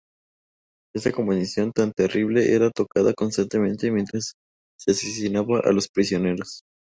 Esta composición tan terrible era tocada constantemente mientras se asesinaba a los prisioneros.